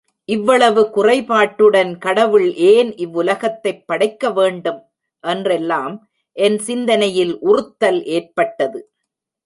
இவ்வளவு குறைபாட்டுடன் கடவுள் ஏன் இவ்வுலகத்தைப் படைக்க வேண்டும்? என்றெல்லாம் என் சிந்தனையில் உறுத்தல் ஏற்பட்டது.